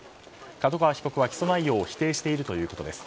角川被告は起訴内容を否定しているということです。